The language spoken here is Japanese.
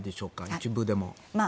一部でも。